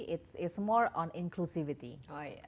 itu lebih tentang inklusivitas